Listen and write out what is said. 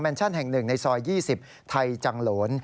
แมนชั่นแห่งหนึ่งในซอย๒๐ไทยจังหลวน